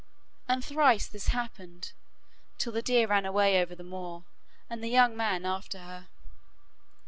And thrice this happened, till the deer ran away over the moor, and the young man after her.